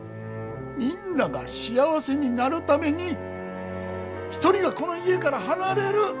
みんなが幸せになるために１人がこの家から離れる。